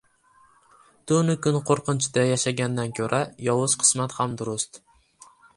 Tunu kun qo‘rqinchda yashagandan ko‘ra yovuz qismat ham durust.